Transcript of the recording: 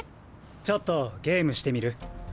⁉ちょっとゲームしてみる？